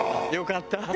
よかった。